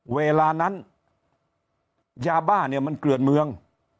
เวลานั้นยาบ้าเนี่ยมันเกลือนเมือง